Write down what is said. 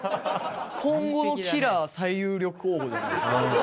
今後のキラー最有力候補じゃないですか。